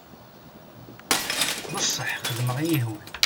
D sseḥ xedmeɣ iyi-ihwan.